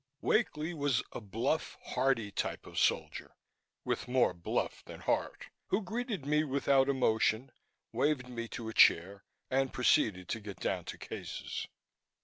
Wakely was a bluff, hearty type of soldier, with more bluff than heart, who greeted me without emotion, waved me to a chair and proceeded to get down to cases.